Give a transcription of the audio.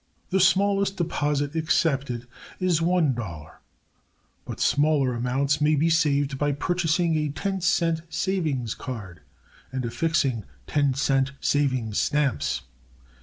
The smallest deposit accepted is $1, but smaller amounts may be saved by purchasing a 10 cent savings card and affixing 10 cent savings stamps.